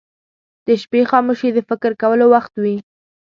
• د شپې خاموشي د فکر کولو وخت وي.